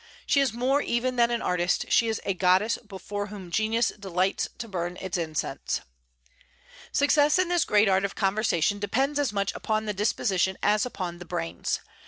She is more even than an artist: she is a goddess before whom genius delights to burn its incense. Success in this great art of conversation depends as much upon the disposition as upon the brains.